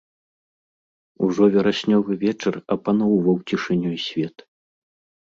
Ужо вераснёвы вечар апаноўваў цішынёй свет.